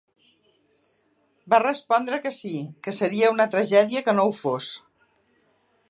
Va respondre que sí, que seria una tragèdia que no ho fos.